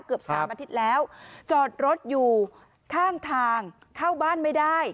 เกือบสามอาทิตย์แล้วจอดรถอยู่ข้างทางเข้าบ้านไม่ได้